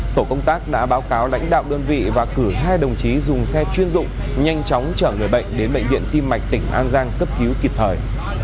tổ công tác đã báo cáo lãnh đạo đơn vị và cử hai đồng chí dùng xe chuyên dụng nhanh chóng chở người bệnh đến bệnh viện tim mạch tỉnh an giang cấp cứu kịp thời